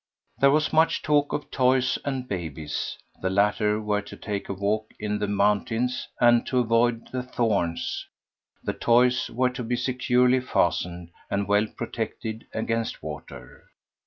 There was much talk of "toys" and "babies"—the latter were to take a walk in the mountains and to avoid the "thorns"; the "toys" were to be securely fastened and well protected against water.